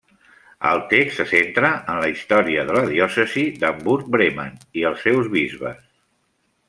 El text se centra en la història de la diòcesi d'Hamburg-Bremen i els seus bisbes.